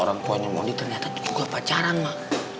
orang tuanya raya sama orang tuanya monty ternyata juga pacaran mah